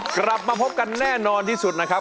กลับมาพบกันแน่นอนที่สุดนะครับ